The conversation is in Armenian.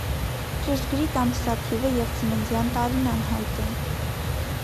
Ճշգրիտ ամսաթիվը և ծննդյան տարին անհայտ են։